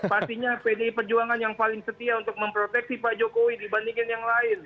pastinya pdi perjuangan yang paling setia untuk memproteksi pak jokowi dibandingin yang lain